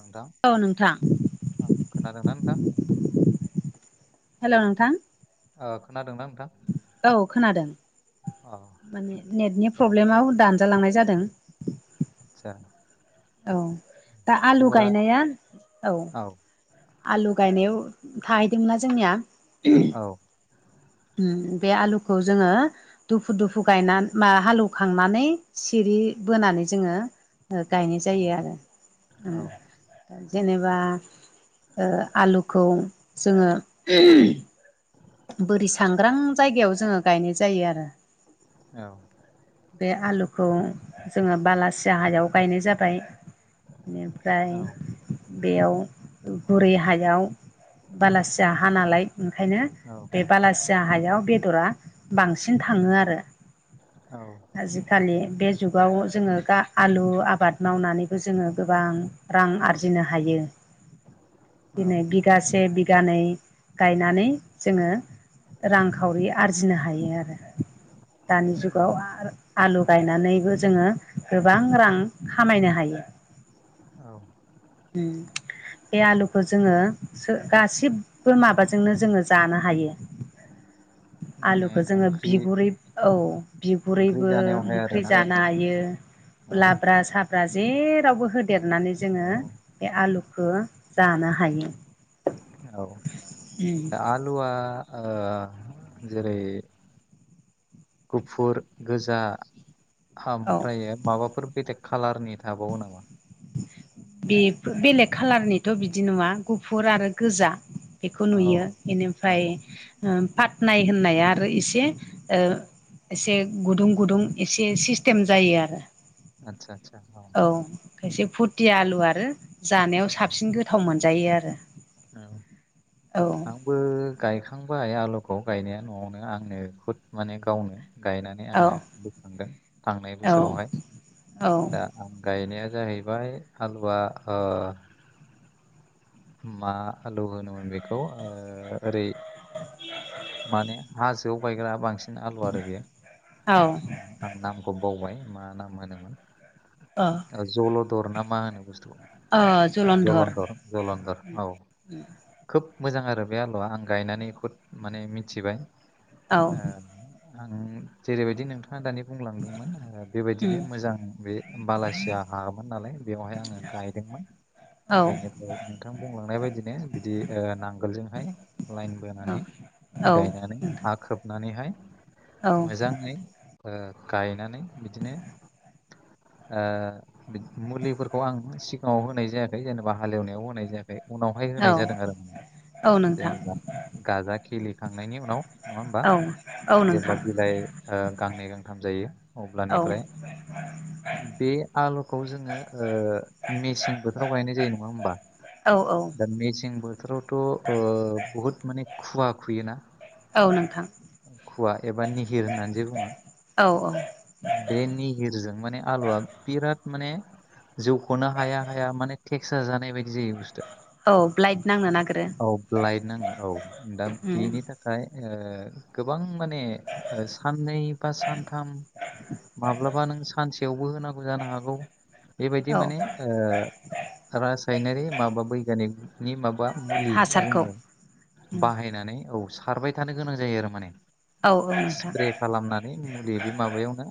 नोंथां औ नोंथां औ खोनादोंना नोंथां हेल' नोंथां खोनादोंदा नोंथां? गाव खोनादों औ माने नेटनि दे प्रब्लेमाव दानजालांनाय जादों। आतसा औ दा आलु गायनाया औ। आलु गायनायाव थाहैदोंमोनना जोंनिया औ बे आलुखौ जोङो दुफु दुफु गायनानै मा हालौवखांनानै सिरि बोनानै जोङो गायनाय औ जायो आरो औ जेनेबा आलुखौ जोङो बोरि सांग्रां जायगायाव जोङो गायनाय जायो आरो। औ बे आलुखौ जोङो बालासिया हायाव गायनाय जाबाय‌। बेनिफ्राय औ बेयाव गुरै हायाव बालासिया हा नालाय ओंखायनो बे बालासिया हायाव बेदरा बांसिन थाङो आरो। औ आजिखालि बे जुगाव जोङो आलु आबाद मावनानैबो जोङो गोबां रां आरजिनो हायो औ दिनै बिगासे बिगानै गायनानै जोङो रांखावरि आरजिनो हायो आरो दानि औ जुगाव आरो आलु गायनानैबो जोङो गोबां रां खामायनो हायो। [inaudible] उ [inaudible] बे आलुखौ जोङो गासिबो माबाजोंनो जोङो जानो हायो। माने आलुखौ जोङो ओंख्रि बिगुरै औ ओंख्रि बिगुरैबो जानायावहाय ओंख्रि आरोना जानो हायो। औ लाब्रा साब्रा जेरावबो होदेरनानै औ जोङो बे आलुखौ जानो हायो। औ उम दा आलुआ जेरै गुफुर गोजा औ ओमफ्र माबाफोर बेदे कालारनि थाबावो नामा? बे बेलेग खाालारनिथ बिदि नङा गुफुर आरो गोजा बेखौ औ नुयो औ बेनिफ्राय फाटनाय होननाया आरो इसे एसे गुदुं गुदुं एसे सिस्टेम जायो आरो। आतसा आसा औ खायसे फुरथि आलु आरो जानायाव साबसिन गोथाव मोनजायो आरो। औ आ औ आबो गायखांबाय आलुखौ गायनाया न'आवनो आंनो खुद माने गावनो गायनानै औ आङो बोखांदों थांनाय औ बोसोरावहाय औ दा आं गायनाया जाहैबाय आलुआ मा आलु होनोमोन बेखौ ओरै माने हो जौ गायग्रा बांसिन आलु आरो बेयो औ आं नामखौ बावबाय मा नाम होनोमोन। अ जलदर ना मा होनो बुस्थु ओ जलन्धर जलदर जलदर औ खोब मोजां आरो बे आलुा आं गायनानै खद माने मिथिबाय औ ए आं जेरैबायदि नोंथाङा दानि बुंलांदोंमोन उम बेबायदिनो मोजां बे बालासि जा हामोन नालाय बेवहाय आङो गायदोंमोन। औ बेनिफ्राय बुंलांनाय बायदिनो बिदि नांगोलजोंहाय लाइन बोनानै गाय नानै हा खोबनानैहाय औ मोजाङै गायनानै बिदिनो मुलिफोरखौ आं सिगाङाव होनाय जायाखै जेनेबा हालेवनायाव होनाय जायाखै। ओ उनावहाय होनाय जादों आरो माने औ नोंथां जेनेबा गाजा खिलिखांनायनि उनाव नङा होमबा औ औ जेब्ला नोंथां बिलाइ गांनै गांथाम जायो औ अब्लानिफ्राय [inaudible] बे आलुखौ जोङो मेसें बोथोराव गायनाय जायो नङा होमबा? औ औ दा मेसें बोथोरावथ बुहुद माने खुवा खुयोना। औ नोंथां खुवा एबा निहिर होननानै जे बुङो औ औ बे नि गिरजों माने आलुआ बिराद माने जौखौनो हाया हाया माने केक्सा जानाय बायदि जै औ ब्लाइट नांनो नागिरो औ ब्लाइ नाङो औ दा उम बेनि थाखाय ओाय गोबां माने साननै बा सानथाम माब्लाबा नों सानसेयावबो होनांगौ जानो हागौ। बेबायदि औ माने रासायनारि माबा बैग्यानिकनि माबा मुलि हासारखौ जोङो उम बाहायनानै औ सारबाय थानो गोनां जायो आरो माने। औ औ नोंथां स्प्रे खालामनानै मुलि बे माबायावनो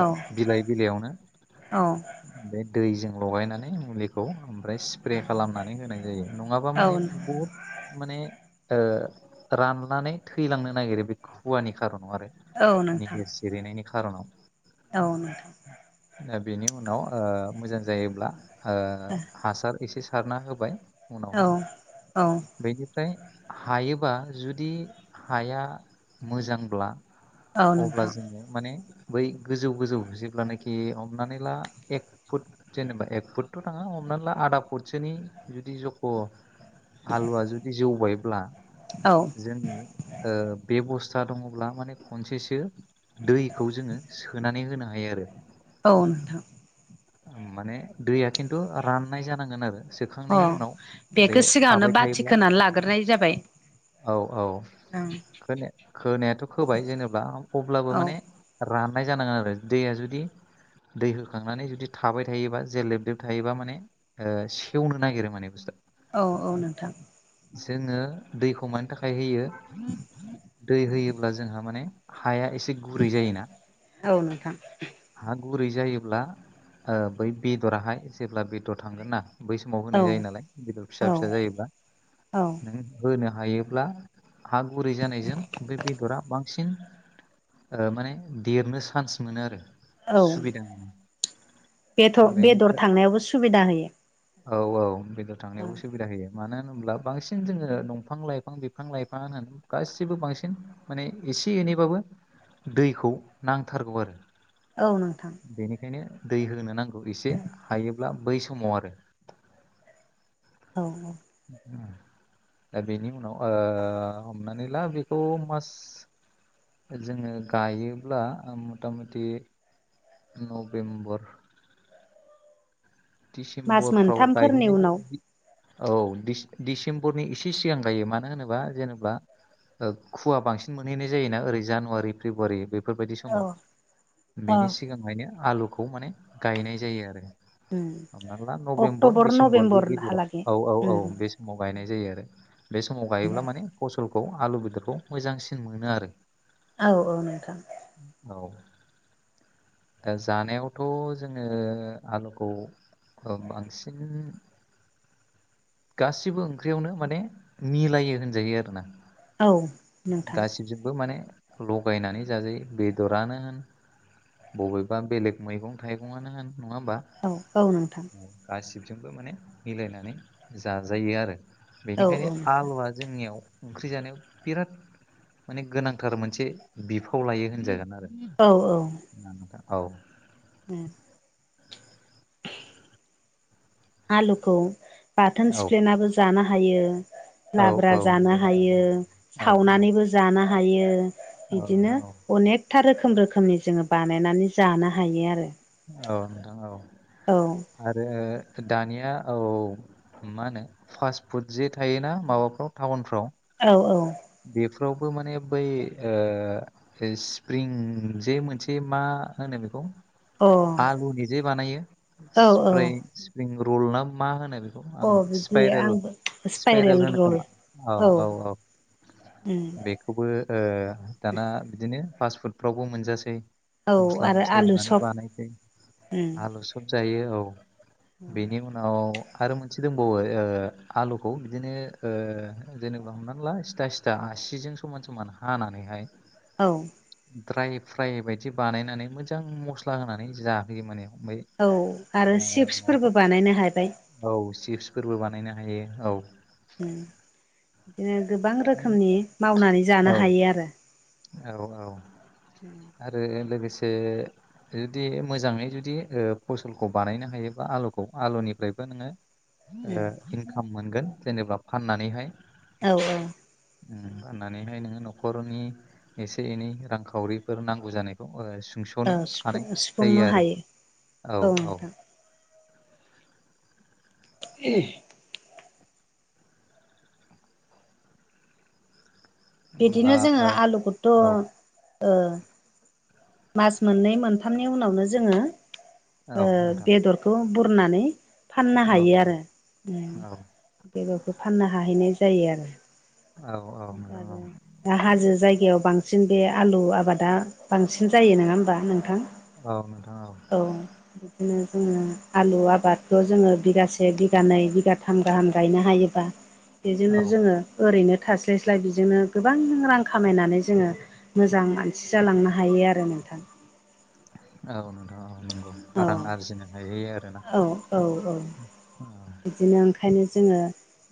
औ बिलाइ बिलाइयावनो औ बे दैजों लगायनानै मुलिखौ ओमफ्राय सि औ जायो नङाबा माने औ बुहुद माने राननानै थैलांनो नागिरो बे खुवानि खारनाव आरो। नोंथां निहिर सिरिनायनि खारनाव। औ दा बेनि उनाव मोजां जायोब्ला ओ हासार एसे सारना होबाय औ उनावहाय औ बेनिफ्राय हायोबा जुदि हाया मोजांब्ला औ अब्ला नोंथां जोङो माने बै गोजौ गोजौ जेब्लानोाखि हमनानै ला एक फुट जेनेबा एक फुटथ' नाङा हमना ला आधा फुटसोनि जुदि जख' हालुवा जुदि जौबायब्ला औ जोङो बेबस्था दङब्ला माने खनसेसो दैखौ जोङो सोनानै होनो हायो आरो। औ नोंथां माने दैया खिन्थु राननाय जानांगोन आरो अ थांनायनि उनाव बेखौ बे सिगाङावनो थाबाय बाथि थायोब्ला खोनानै लाग्रोनाय जाबाय औ औ ओं ख खोनायाथ' खोबाय जेनेबा अब्लाबो औ माने राननाय जानांगोन आरो दैया जुदि दै होखांनानै जुदि थाबाय थायोबा जे लेब लेब थायोबा माने सि सेवनो नागिरो माने बुस्थुया औ औ नोंथां जोङो दैखौ मानि थाखाय होयो दै होयोब्ला जोंहा माने हाया एसे गुरै जायोना औ नोंथां हा गुरै जायोब्ला बै बेदराहाय जेब्ला बेदर थांगोन ना बै समाव होनाय जायो औ नालाय गदर फिसा औ फिसा जायोब्ला औ नों होनो हायोब्ला हा गुरै जानायजों बे बेदरा बांसिन ओ माने देरनो चान्स मोनो आरो औ सुबिदा मोनो बेदर बेदर बेनिफ्राय थांनायावबो सुबिदा होयो औ औ बेदर थांनायावबो सुबिदा होयो मानो होनोब्ला बांसिन जोङो दंफां लाइफां बिफां लाइफां होन गासिबो बांसिन माने एसे एनैबाबो दैखौ नांथारगौ आरो औ नोंथां बेनिखायनो दै होनो नांगौ एसे हायोब्ला बै समाव आरो औ औ दा बेनि उनाव ओ हमनानै ला बेखौ मास जोङो गायोब्ला मथा मथि नभेम्बर मास डिसेम्बरफ्राव मोनथामफोरनि गायहैनाय उनाव औ दि डिसेम्बरनि इसे सिगां गायो मानो होनोबा जेनेबा खुवा बांसिन मोनहैनाय जोना ओरै जानुवारि फेब्रुवारि बे बेफोरबायदि औ समाव अ बेनि सिगांहायनो आलुखौ माने गायनाय जायो आरो हमना ला नभेम्बर अक्ट'बर डिसेम्बर बे नभेम्बरहालागै गेजेराव औ औ औ बे समाव गायनाय जायो आरो बे समाव गायोब्ला माने फसलखौ आलु बेदरखौ मोजांसिन मोनो आरो औ औ नोंथां औ दा जानायावथ' जोङो आलुखौ औ बांसिन गासिबो ओंख्रियावनो माने मिलायो होनजायो आरोना औ नोंथां गासिबजोंबो माने लगायनानै जाजायो बेदरानो होन बबेबा बेलेग मैगं थाइगङानो होन नङा होमबा औ औ नोंथां गासिबजोंबो माने मिलायनानै जाजायो आरो औ बेनिखायनो औ नोंथां आलुवा जोंनियाव ओंख्रि जानायाव बिराद माने गोनांथार मोनसे बिफाव लायो होनजागोन आरो औ औ औ उम आलुखौ बाथोन औ सिफ्लेनाबो जानो हायो लाब्रा औ जानो नंगौ नोंथां हायो औ औ सावनानैबो जानो हायो औ नोंथां बिदिनो औ अनेकथा रोखोम रोखोमनि जोङो बानायनानै जानो हायो आरो औ नोंथां औ औ आरो दानिया औ मा होनो फास्ट फुड जे थायोना माबाफ्राव टाउनफ्राव औ औ बेफोरावबो माने बै ओ स्प्रिं जे मोनसे मा होनो बेखौ औ आलु निजे बानायो अ औ औ स्प्रें स्प्रिं रल ना मा होनो बे अ आङो बिदि स्पाइरेल आंबो स्पाइरेल होनो रल खोमा औ औ औ उम बेखौबो ओ दाना बिदिनो फास फुडफ्रावबो मोनजासै औ मस्ला आरो मस्लि आलु होनानै सप बानायसै उम आलु सब जायो औ बेनि उन उनाव आरो मोनसे दंबावो ओ आलुखौ बिदिनो ओ जेनेबा हमनानै ला सिथा सिथा आसिजों समान समान हानानैहाय औ ड्राय फ्राइ बायदि बानायनानै मोजां मस्ला होनानै जाहोयो माने ओमफ्राय औ आरो ओ चिप्सफोरबो माबाखौ बानायनो हाबाय औ चिप्सफोरबो बानायनो हायो औ बिदिनो गोबां रोखोमनि मावनानै जानो औ हायो आरो औ औ [inaudible] आरो लोगोसे जुदि मोजाङै जुदि ओ फसलखौ बानायनो हायोबा आलुखौ आलुनिफ्रायबो नोङो उम ओ इनकाम मोनगोन जेनेबा फाननानैहाय औ औ ओम फाननानैहाय नोङो न'खरनि एसे एनै रांखावरिफोर नांगौ जानायखौ ओ सुंस' सुथ'नो औ हानाय सिफुं सिफुंनो जायो आरो हायो औ औ इस होमब्ला बिदिनो जोङो आलुखौथ' ओ मास मोननै मोनथामनि उनावनो जोङो औ ओ नोंथां बेदर बखौ बुरनानै फाननो औ हायो नोंथां आरो ओम औ बेगरखौ फाननो हाहैनाय जायो आरो औ औ दा नोंथां औ आरो दा हाजो जायगायाव बांसिन बे आलु आबादा बांसिन जायो नङा हबा नोंथां औ नोंथां औ। औ बिदिनो जोङो आलु आबादखौ जोङो बिगासे बिगानै बिगाथाम गाहाम गायनो हायो औ बेजोंनो जोङो ओरैनो थास्लायस्लाय बिजोंनो गोबां रां खामायनानै जोङो मोजां मानसि जालांनो हायो आरो नोंथां औ नोंथां औ नंगौ औ रां आरजिनो हाय आरोना औ औ औ आ बिदिनो ओंखायनो जोङो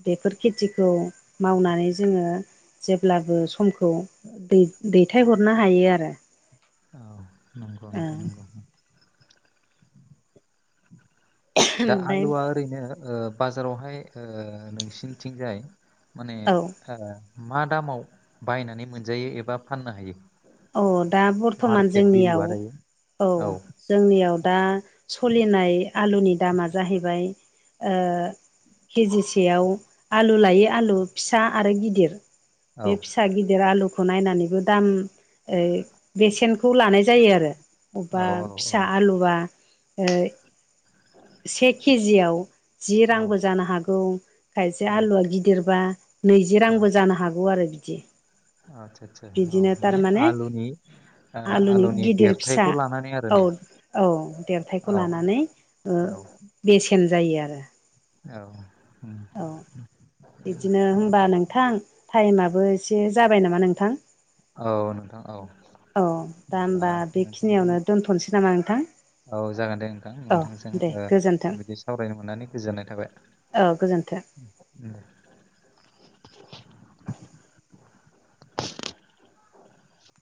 बेफोर खेथिखौ मावनानै जोङो जेब्लाबो समखौ दै दैथायहरनो हायो आरो औ नंगौ नोंथां नंगौ दा ओमफ्राय आलुआ ओरैनो ओ बाजारावहाय ओ नोंसिनिथिंजाय माने औ ओ मा दामाव बायनानै मोनजायो एबा फाननो हा यो? औ दा बर्थ'मान जोंनियाव दायो औ जोंनियाव दा सलिनाय आलुनि दामा जाहैबाय ओ केजिसेयाव आलु लायै आलु फिसा आरो गिदिर औ बे फिसा फिसा गिदिर आलुखौ नायनानैबो दाम ओ बेसेनखौ लानाय जायो आरो औ अबेबा औ फिसा आलुख से केजियाव जि औ रांबो जानो हागौ खायसे औ आलुआ गिदिरबा नैजि रांबो जानो हागौ आरो बिदि आसा आसा औ बिदिनो माने थारमाने आलुनि ओ आलुनि गिदिर फिसा देरथायखौ लानानै आरो औ ने औ औ देरथायखौ लानानै औ बेसेन जायो आरो औ उम औ बिदिनो होनबा नोंथां टाइमाबबो एसे जाबाय नामा नोंथां औ नोंथां औ औ दा अब्ला होमबा नोंथांजों बेखिनियावनो दोनथ'नोसै नामा नोंथां औ जागोन दे नोंथां औ नोंथांजों दे गोजोन्थों ओ बिदि सावरायनो मोननानै गोजोननाय थाबाय। औ गोजोन्थों। उम।